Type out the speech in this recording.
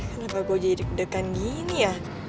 kenapa gue jadi deg degan gini ya